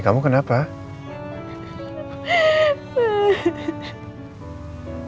kuatkan mama dan papa juga untuk mendampingi elsa menjalani ini semua